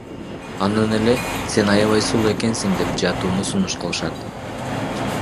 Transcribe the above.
Анан эле Сен аябай сулуу экенсиң деп жатууну сунуш кылышат.